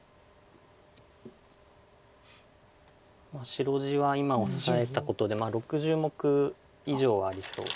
白地は今オサえたことで６０目以上はありそうです。